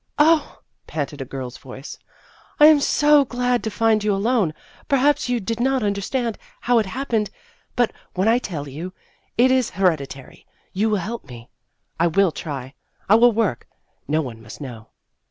" Oh," panted a girl's voice, " I am so glad to find you alone ! Perhaps you did not understand how it happened. But when I tell you it is hereditary you will help me. I will try I will work no one must know."